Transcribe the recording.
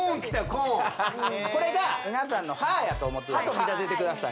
コーンこれが皆さんの歯やと思って歯歯と見立ててください